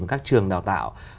các trường đào tạo